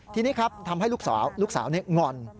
ทีนี้ครับทำให้ลูกสาวลูกสาวงอน